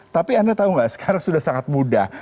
tapi anda tahu nggak sekarang sudah sangat mudah